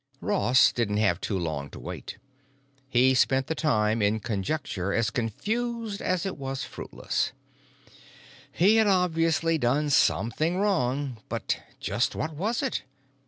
Ross didn't have too long to wait. He spent the time in conjecture as confused as it was fruitless; he had obviously done something wrong, but just what was it?